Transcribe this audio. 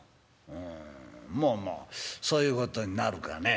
「うんまあまあそういうことになるかね」。